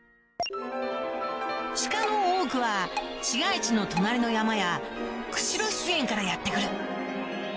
シカの多くは市街地の隣の山や釧路湿原からやって来る